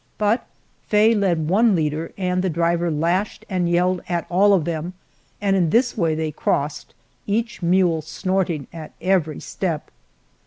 But Faye led one leader, and the driver lashed and yelled at all of them, and in this way they crossed, each mule snorting at every step.